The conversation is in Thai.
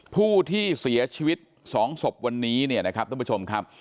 ผู้ที่เสียชีวิต๒ศพวันนี้เนี่ยนะครับท่านผู้ชมครับ